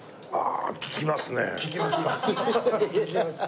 ききます？